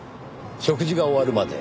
食事が終わるまで。